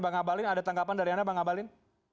bang ngabalin ada tanggapan dari anda bang ngabalin